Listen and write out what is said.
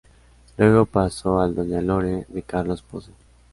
Luego pasó al Doña Lore, de Carlos Pozo.